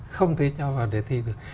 không thể cho vào đề thi được